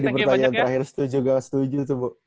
jadi pertanyaan terakhir setuju gak setuju tuh bu